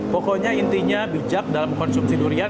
pokoknya intinya bijak dalam mengkonsumsi durian